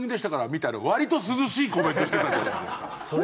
みたいな割と涼しいコメントしてたじゃないですか。